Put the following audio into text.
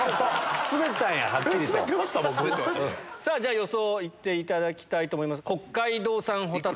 予想行っていただきたいと思います。